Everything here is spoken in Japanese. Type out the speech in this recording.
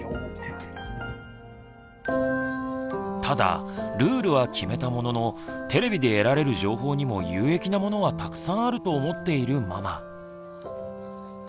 ただルールは決めたもののテレビで得られる情報にも有益なものはたくさんあると思っているママ。